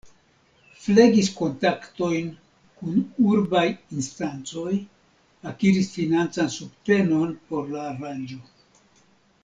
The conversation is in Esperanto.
Flegis kontaktojn kun urbaj instancoj, akiris financan subtenon por la aranĝo.